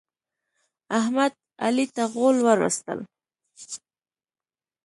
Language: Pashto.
احمد، علي ته غول ور وستل.